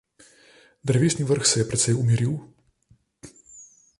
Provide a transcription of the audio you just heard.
Drevesni vrh se je precej umiril.